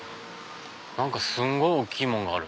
何かすんごい大きいもんがある。